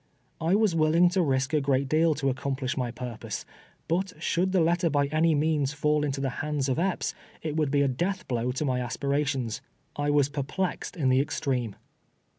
I was willing to risk a great deal to accomplish my purpose, but should the letter by any means fall into the hands of Epps, it would be a death blow to my aspirations. I was " perplexed in the extreme."